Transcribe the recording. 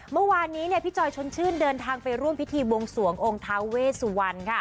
เมื่อวานนี้พี่จอยชนชื่นเดินทางไปร่วมพิธีบวงสวงองค์ท้าเวสวรรณ